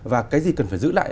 và cái gì cần phải giữ lại